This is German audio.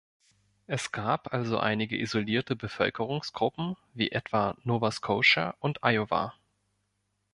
Es gab also einige isolierte Bevölkerungsgruppen, wie etwa Nova Scotia und Iowa.